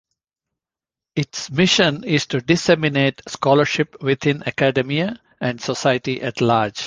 Its mission is to disseminate scholarship within academia and society at large.